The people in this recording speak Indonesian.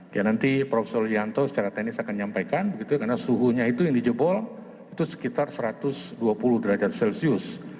ya nanti prof yanto secara teknis akan menyampaikan karena suhunya itu yang dijebol itu sekitar satu ratus dua puluh derajat celcius